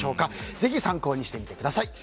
ぜひ、参考にしてみてください。